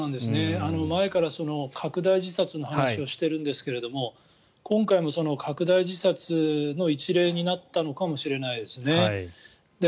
前から拡大自殺の話をしているんですが今回もその拡大自殺の一例になったのかもしれないですね。